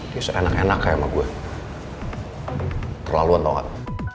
dia seenak enak kayak sama gua terlaluan tau gak